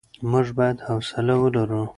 موږ بايد حوصله ولرو.